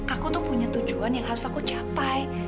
aku tuh punya tujuan yang harus aku capai